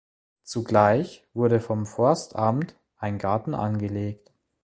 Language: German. Zugleich wurde vom Forstamt ein Garten angelegt.